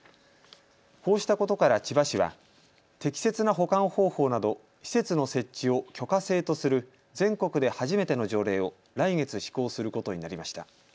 こうしたことから千葉市は適切な保管方法など施設の設置を許可制とする全国で初めての条例を来月施行することになりました。